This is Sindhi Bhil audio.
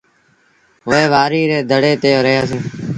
وهي وآريٚ ري ڌڙي تي رهيآ سيٚݩ۔